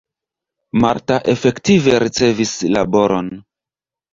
Marta efektive ricevis laboron.